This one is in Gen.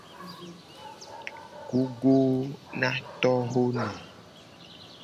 Gogo na tohono.